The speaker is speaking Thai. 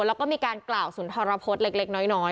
แล้วก็มีการกล่าวศูนย์ธรรพจน์เล็กเล็กน้อยน้อย